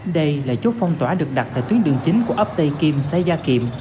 đây là chốt phong tỏa được đặt tại tuyến đường chính của ấp tây kim xã gia kiệm